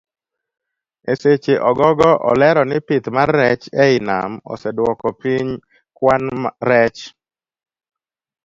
Eseche ogogo olero ni pith mar rech ei nam oseduoko piny kwan rech.